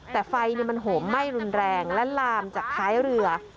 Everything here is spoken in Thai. แต่ไฟมันโหมไหม้รุนแรงและลามจากท้ายเรือ